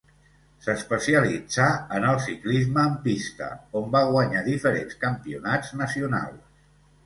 S'especialitzà en el ciclisme en pista, on va guanyar diferents campionats nacionals.